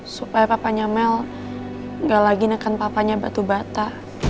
supaya papanya mel gak lagi neken papanya batu bata